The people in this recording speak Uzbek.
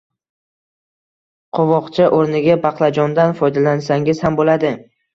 Qovoqcha o‘rniga baqlajondan foydalansangiz ham bo‘ladi